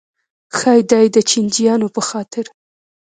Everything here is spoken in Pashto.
ښایي دا یې د چیچنیایانو په خاطر.